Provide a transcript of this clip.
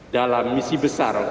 dalam misi besar